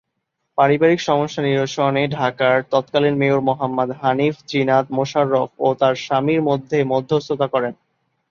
পারিবারিক সমস্যা নিরসনে ঢাকার তৎকালীন মেয়র মোহাম্মদ হানিফ জিনাত মোশাররফ ও তার স্বামীর মধ্যে মধ্যস্থতা করেন।